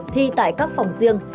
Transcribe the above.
thi tại các phòng riêng